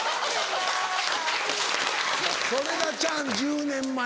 それがチャン１０年前か。